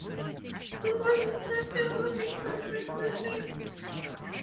No one will touch him or eat or drink with him.